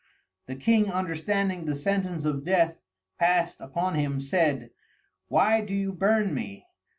The King understanding the sentence of Death past upon him, said; Why do you burn me?